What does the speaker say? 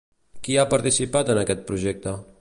Qui hi ha participat en aquest projecte?